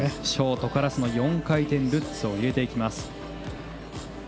ショートから４回転ルッツを入れていきます。